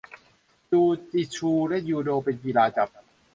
จูจิชูและ ยูโด เป็นกีฬาจับ